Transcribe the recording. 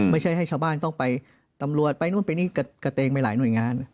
ไม่ใช่ให้ชาวบ้านต้องไปตำรวจไปนู่นไปนี่กระเตงไปหลายหน่วยงาน